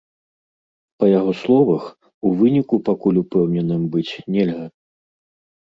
Па яго словах, у выніку пакуль упэўненым быць нельга.